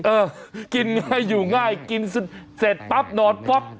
เออกินง่ายอยู่ง่ายกินเสร็จปั๊บนอนป๊อก